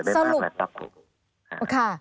สรุปค่ะ